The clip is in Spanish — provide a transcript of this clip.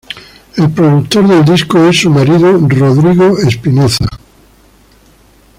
El productor del disco es su marido Rodrigo Espinoza.